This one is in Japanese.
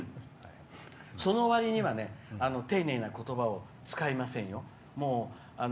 そのわりには丁寧なことばを使いませんよ。